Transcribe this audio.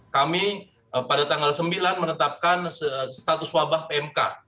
kami pada tanggal sembilan menetapkan status wabah pmk